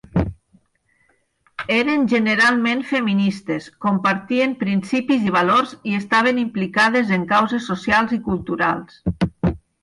Eren generalment feministes, compartien principis i valors, i estaven implicades en causes socials i culturals.